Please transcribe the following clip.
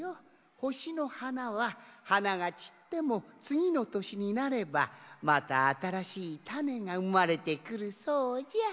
ほしのはなははながちってもつぎのとしになればまたあたらしいタネがうまれてくるそうじゃ。